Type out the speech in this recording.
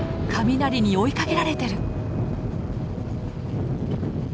雷に追いかけられてる！